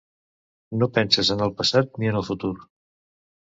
No penses en el passat, ni en el futur.